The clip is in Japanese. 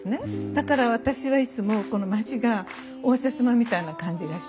だから私はいつもこの町が応接間みたいな感じがして。